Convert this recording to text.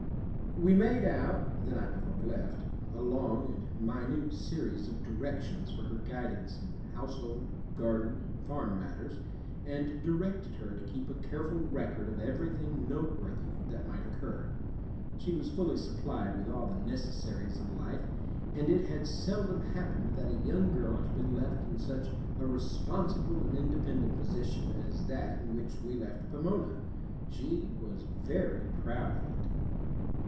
We made out, the night before we left, a long and minute series of directions for her guidance in household, garden and farm matters, and directed her to keep a careful record of everything noteworthy that might occur. She was fully supplied with all the necessaries of life, and it has seldom happened that a young girl has been left in such a responsible and independent position as that in which we left Pomona. She was very proud of it.